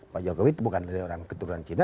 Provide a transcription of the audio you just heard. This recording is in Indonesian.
pak jokowi itu bukan dari orang keturunan cina